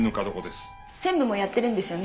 専務もやってるんですよね。